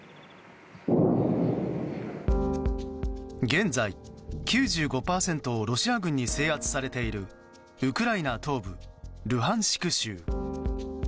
現在、９５％をロシア軍に制圧されているウクライナ東部ルハンシク州。